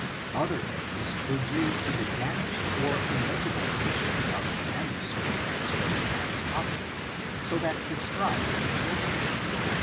Other errors were due to the damaged or illegible condition of the manuscript serving as copy, so that the scribe misread it.